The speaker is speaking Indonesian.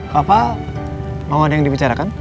kapal mau ada yang dibicarakan